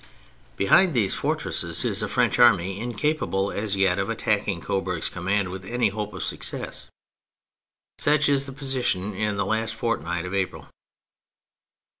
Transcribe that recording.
Behind these fortresses is a French army incapable as yet of attacking Coburg's command with any hope of success. Such is the position in the last fortnight of April.